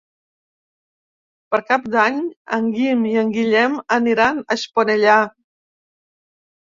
Per Cap d'Any en Guim i en Guillem aniran a Esponellà.